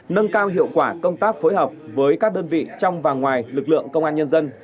nâng cao hiệu quả công tác phối hợp với các đơn vị trong và ngoài lực lượng công an nhân dân